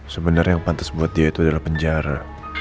sebenarnya yang pantas buat dia itu adalah penjara